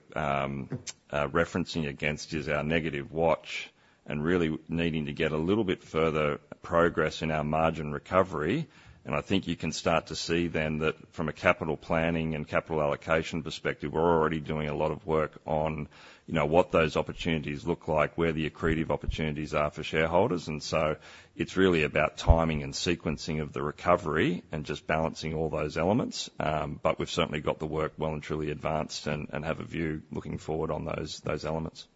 referencing against is our negative watch and really needing to get a little bit further progress in our margin recovery. I think you can start to see then that from a capital planning and capital allocation perspective, we're already doing a lot of work on, you know, what those opportunities look like, where the accretive opportunities are for shareholders. So it's really about timing and sequencing of the recovery and just balancing all those elements. But we've certainly got the work well and truly advanced and have a view looking forward on those elements.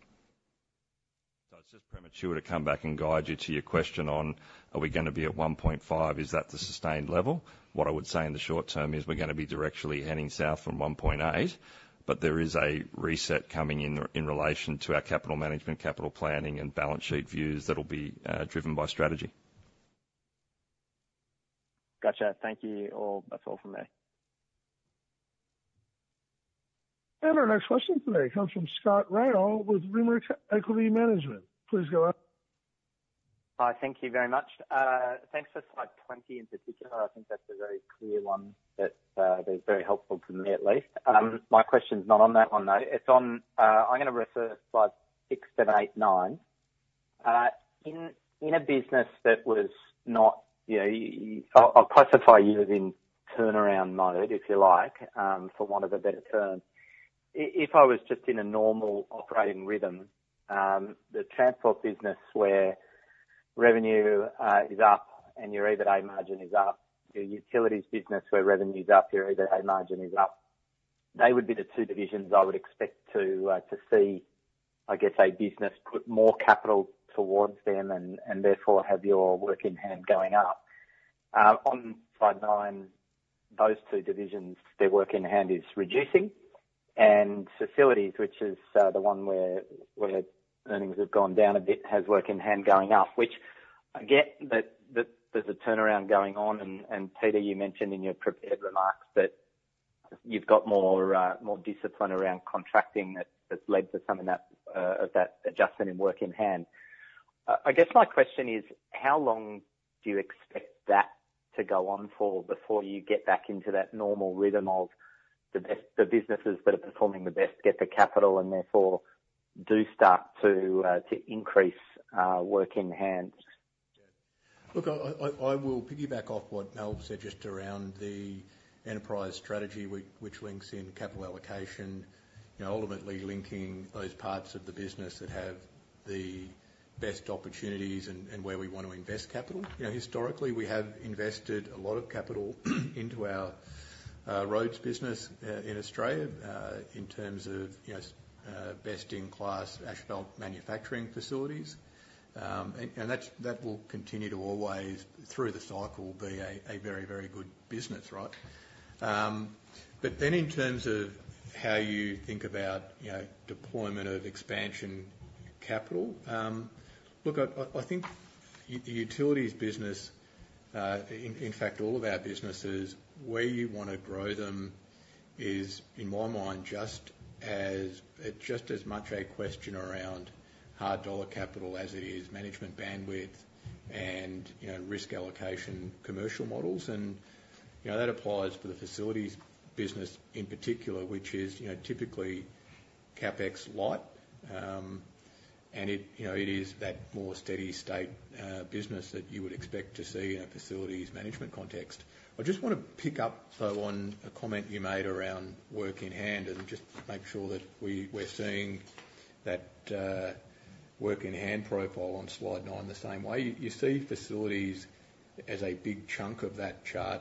So it's just premature to come back and guide you to your question on, are we going to be at 1.5? Is that the sustained level? What I would say in the short term is we're going to be directionally heading south from 1.8. But there is a reset coming in relation to our capital management, capital planning, and balance sheet views that'll be driven by strategy. Gotcha. Thank you. All that's all from me. Our next question today comes from Scott Ryall with Rimor Equity Research. Please go ahead. Hi. Thank you very much. Thanks for slide 20 in particular. I think that's a very clear one that, that's very helpful to me at least. My question's not on that one, though. It's on, I'm going to refer to slides six, seven, eight, nine. In a business that was not, you know, you. I'll classify you as in turnaround mode, if you like, for want of a better term. If I was just in a normal operating rhythm, the transport business where revenue is up and your EBITDA margin is up, your Utilities business where revenue's up, your EBITDA margin is up, they would be the two divisions I would expect to see, I guess, a business put more capital towards them and therefore have your work in hand going up. On slide nine, those two divisions, their work in hand is reducing. And Facilities, which is the one where earnings have gone down a bit, has work in hand going up, which I get that there's a turnaround going on. And Peter, you mentioned in your prepared remarks that you've got more discipline around contracting that's led to some of that adjustment in work in hand. I guess my question is, how long do you expect that to go on for before you get back into that normal rhythm of the best the businesses that are performing the best get the capital and therefore do start to increase work in hand? Yeah. Look, I will piggyback off what Mal said just around the enterprise strategy, which links in capital allocation, you know, ultimately linking those parts of the business that have the best opportunities and where we want to invest capital. You know, historically, we have invested a lot of capital into our roads business in Australia, in terms of, you know, as best-in-class asphalt manufacturing Facilities. And that's. That will continue to always, through the cycle, be a very, very good business, right? But then in terms of how you think about, you know, deployment of expansion capital, look, I think you, the Utilities business, in fact, all of our businesses, where you want to grow them is, in my mind, just as much a question around hard dollar capital as it is management bandwidth and, you know, risk allocation commercial models. And, you know, that applies for the Facilities business in particular, which is, you know, typically CapEx light. And it, you know, it is that more steady state, business that you would expect to see in a Facilities management context. I just want to pick up, though, on a comment you made around work-in-hand and just make sure that we're seeing that work-in-hand profile on slide nine the same way. You see Facilities as a big chunk of that chart,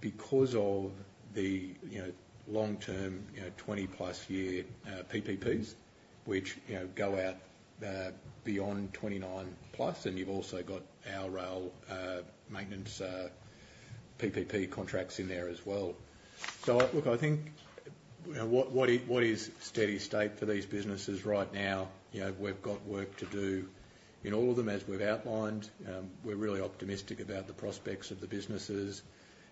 because of the, you know, long-term, you know, 20-plus-year PPPs, which, you know, go out beyond 29-plus. And you've also got our rail maintenance PPP contracts in there as well. So I look, I think, you know, what is steady state for these businesses right now? You know, we've got work to do in all of them, as we've outlined. We're really optimistic about the prospects of the businesses.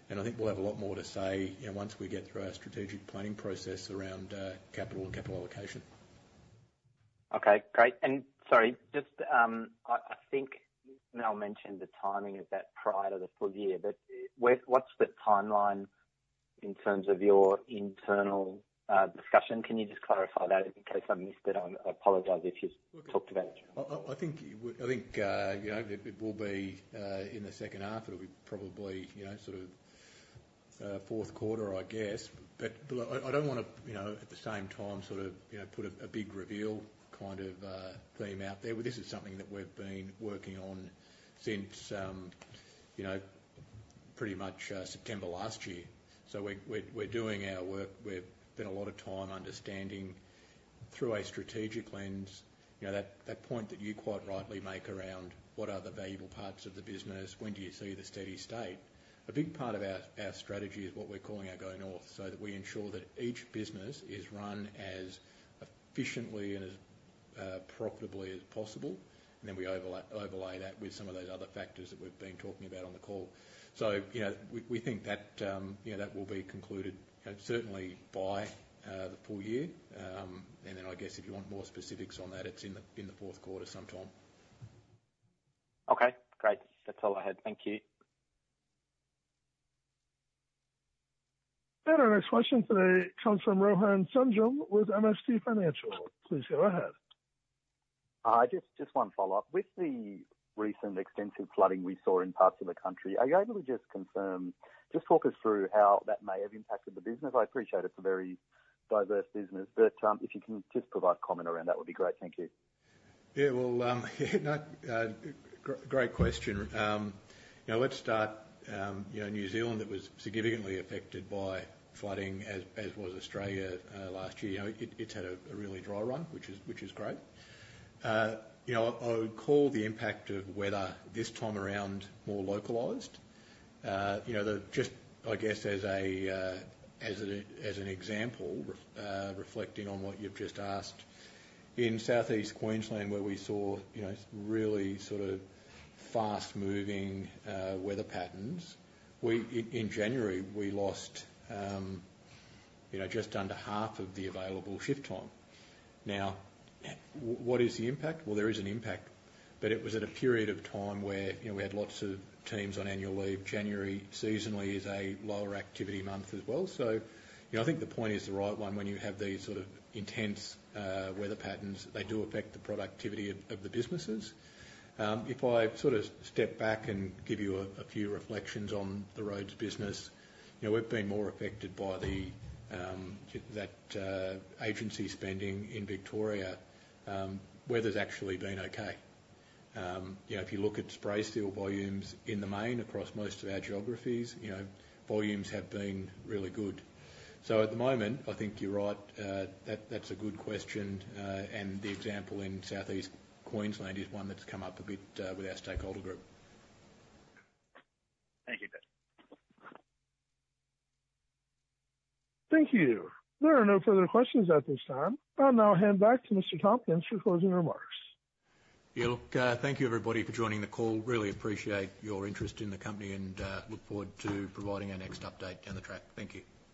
And I think we'll have a lot more to say, you know, once we get through our strategic planning process around capital and capital allocation. Okay. Great. Sorry, just, I think Mal mentioned the timing of that prior to the full year. But where, what's the timeline in terms of your internal discussion? Can you just clarify that in case I missed it? I apologize if you've talked about it too much. Look, I think it would, I think, you know, it will be in the second half. It'll be probably, you know, sort of, fourth quarter, I guess. But I don't want to, you know, at the same time sort of, you know, put a big reveal kind of theme out there. Well, this is something that we've been working on since, you know, pretty much September last year. So we're doing our work. We've spent a lot of time understanding through a strategic lens, you know, that point that you quite rightly make around what are the valuable parts of the business, when do you see the steady state. A big part of our strategy is what we're calling our Go North so that we ensure that each business is run as efficiently and as profitably as possible. And then we overlay that with some of those other factors that we've been talking about on the call. So, you know, we think that, you know, that will be concluded, you know, certainly by the full year. And then I guess if you want more specifics on that, it's in the fourth quarter sometime. Okay. Great. That's all I had. Thank you. Our next question today comes from Rohan Sundram with MST Financial. Please go ahead. Just, just one follow-up. With the recent extensive flooding we saw in parts of the country, are you able to just confirm just talk us through how that may have impacted the business? I appreciate it's a very diverse business. But, if you can just provide comment around that, would be great. Thank you. Yeah. Well, yeah. No, great question. You know, let's start, you know, New Zealand that was significantly affected by flooding as, as was Australia, last year. You know, it, it's had a really dry run, which is great. You know, I, I would call the impact of weather this time around more localized. You know, just, I guess, as an example, reflecting on what you've just asked, in South East Queensland where we saw, you know, really sort of fast-moving weather patterns, in January, we lost, you know, just under half of the available shift time. Now, what is the impact? Well, there is an impact. But it was at a period of time where, you know, we had lots of teams on annual leave. January, seasonally, is a lower-activity month as well. So, you know, I think the point is the right one. When you have these sort of intense weather patterns, they do affect the productivity of the businesses. If I sort of step back and give you a few reflections on the roads business, you know, we've been more affected by the agency spending in Victoria. Weather's actually been okay. You know, if you look at spray seal volumes in the main across most of our geographies, you know, volumes have been really good. So at the moment, I think you're right. That's a good question. And the example in Southeast Queensland is one that's come up a bit, with our stakeholder group. Thank you, Peter. Thank you. There are no further questions at this time. I'll now hand back to Mr. Tompkins for closing remarks. Yeah. Look, thank you, everybody, for joining the call. Really appreciate your interest in the company. Look forward to providing our next update down the track. Thank you.